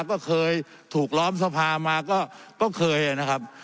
ก็เคยถูกล้อมสภามาก็เคยนะครับ